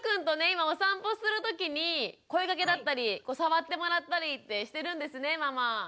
今お散歩するときに声かけだったり触ってもらったりってしてるんですねママ。